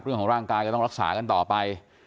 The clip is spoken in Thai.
เรื่องของร่างกายก็ต้องรักษากันต่อไป